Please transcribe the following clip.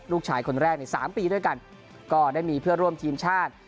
ลูกชายคนแรกใน๓ปีด้วยกันก็ได้มีเพื่อนร่วมทีมชาติ